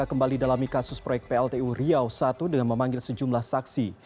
kembali dalam ikasus proyek pltu riau satu dengan memanggil sejumlah saksi